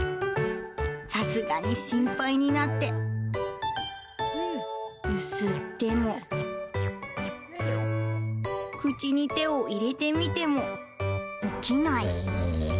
さすがに心配になって、ゆすっても、口に手を入れてみても起きない。